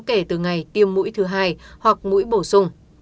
đã tiêm mũi thứ hai hoặc mũi bổ sung